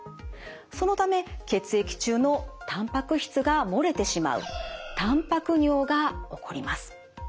そのため血液中のたんぱく質が漏れてしまうたんぱく尿が起こります。